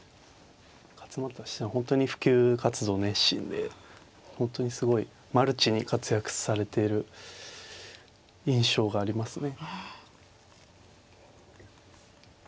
勝又七段は本当に普及活動熱心で本当にすごいマルチに活躍されている印象がありますね。